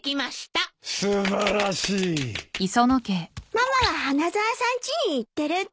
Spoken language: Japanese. ママは花沢さんちに行ってるって。